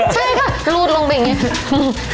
ใช่ค่ะรูดลงไปอย่างนี้